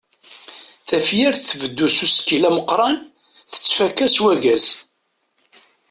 Tafyirt tbeddu s usekkil ameqqran, tettfakka s wagaz.